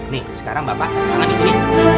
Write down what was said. nih sekarang bapak tangan di sini